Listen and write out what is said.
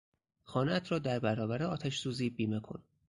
خانهات را در برابر آتش سوزی بیمه کن!